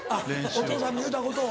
お父さんの言うたことを。